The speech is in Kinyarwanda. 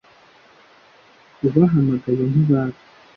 ubahamagaye ntibaza